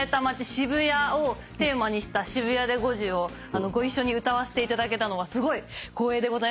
渋谷をテーマにした『渋谷で５時』をご一緒に歌わせていただけたのはすごい光栄でございました。